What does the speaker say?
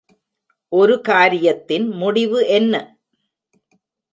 ஒரு காரியத்தின் முடிவு என்ன?